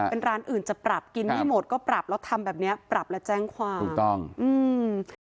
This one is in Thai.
เป็นร้านอื่นจะปรับกินไม่หมดก็ปรับแล้วทำแบบเนี้ยปรับและแจ้งความถูกต้องอืม